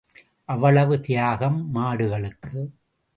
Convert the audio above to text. அவ்வளவு தியாகம் மாடுகளுக்கு.